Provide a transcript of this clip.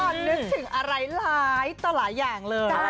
นึกถึงอะไรหลายต่อหลายอย่างเลย